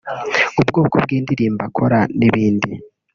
ubwoko bw’indirimbo akora n’ibindi